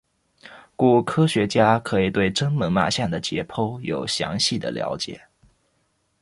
故科学家可以对真猛玛象的解剖有详细的了解。